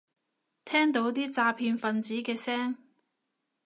聽到啲詐騙份子嘅聲